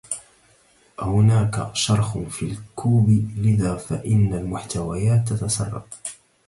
هناكَ شرخٌ في الكوب لذلك فإن المحتويات تتسرب.